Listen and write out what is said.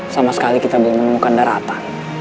sama sekali kita belum menemukan daratan